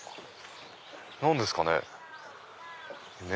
何ですかね？